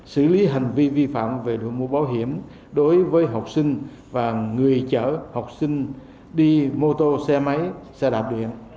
xử lý hành vi vi phạm về đội mũ bảo hiểm đối với học sinh và người chở học sinh đi mô tô xe máy xe đạp điện